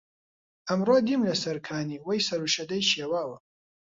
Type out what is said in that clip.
ئەمڕۆ دیم لەسەر کانی وەی سەر و شەدەی شێواوە